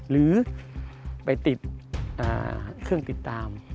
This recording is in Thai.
หรือไปติดเครื่องติดตาม